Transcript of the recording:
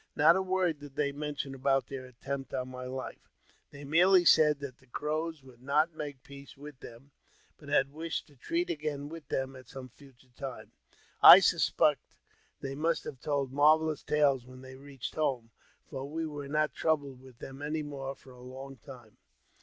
Not a word did they ; mention about their attempt on my Ufe. They merely B£ud|l that the Crows would not make peace with them, but had wished to treat again with them at some future time. I sus pect they must have told marvellous tales when they reached home, for we were not troubled with them any more for a long time.